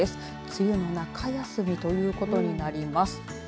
梅雨の中休みということになります。